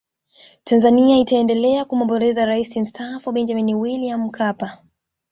tanzania itaendelea kumwombolezea rais mstaafu benjamin william mkapa